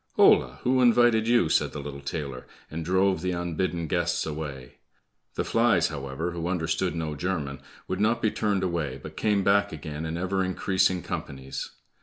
"Hola! who invited you?" said the little tailor, and drove the unbidden guests away. The flies, however, who understood no German, would not be turned away, but came back again in ever increasing companies.